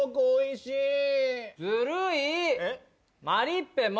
おいしい！